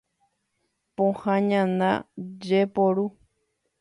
Pohã ñana jeporu.